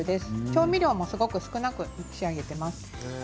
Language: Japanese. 調味料もすごく少なく仕上げています。